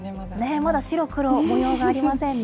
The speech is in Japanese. まだ白黒模様がありませんね。